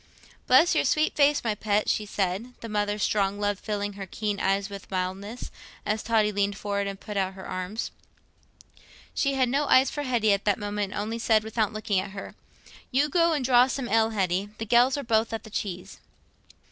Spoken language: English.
"Bless your sweet face, my pet," she said, the mother's strong love filling her keen eyes with mildness, as Totty leaned forward and put out her arms. She had no eyes for Hetty at that moment, and only said, without looking at her, "You go and draw some ale, Hetty; the gells are both at the cheese."